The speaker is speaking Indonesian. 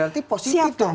berarti positif dong